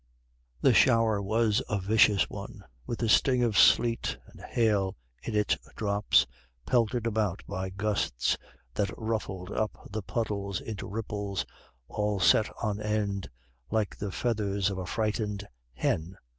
The shower was a vicious one, with the sting of sleet and hail in its drops, pelted about by gusts that ruffled up the puddles into ripples, all set on end, like the feathers of a frightened hen.